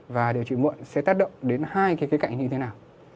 và điều trị muộn sẽ tác động đến hai cái cạnh như thế nào